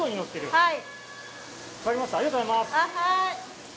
はい。